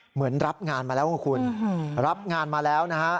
เหมือนรับงานมาแล้วไงคุณรับงานมาแล้วนะฮะ